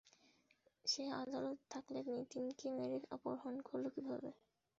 সে আদালতে থাকলে নিতিনকে মেরে অপহরণ করল কীভাবে?